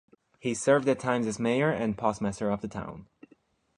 He served at times as mayor and postmaster of the town.